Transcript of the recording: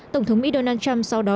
tổng thống mỹ donald trump sau đó